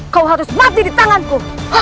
kau harus mati di tanganku